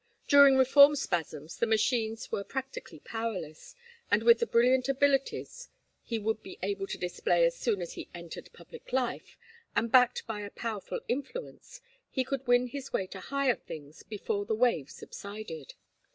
During reform spasms the machines were practically powerless, and with the brilliant abilities he would be able to display as soon as he entered public life, and backed by a powerful influence, he could win his way to higher things before the wave subsided.